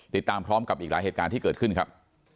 ติดตามพร้อมกับอีกหลายเหตุการณ์ที่เกิดขึ้นครับ